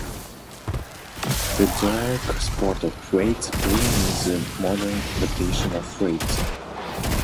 The dog sport of weight pulling is a modern adaptation of freighting.